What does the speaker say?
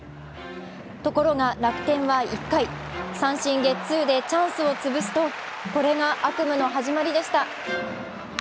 ところが楽天は１回、三振ゲッツーでチャンスをつぶすとこれが悪夢の始まりでした。